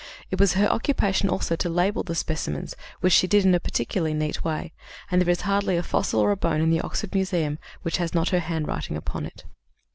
It was her occupation also to label the specimens, which she did in a particularly neat way; and there is hardly a fossil or a bone in the Oxford Museum which has not her handwriting upon it.